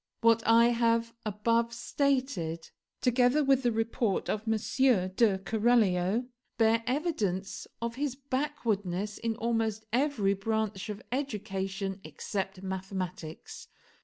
What I have above stated, together with the report of M. de Keralio, bear evidence of his backwardness in almost every branch of education except mathematics.